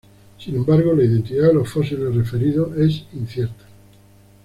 Sin embargo, la identidad de los fósiles referidos es incierta.